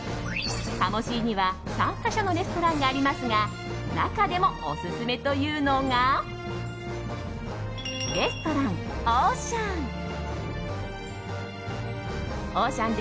鴨シーには３か所のレストランがありますが中でもオススメというのがレストラン「オーシャン」。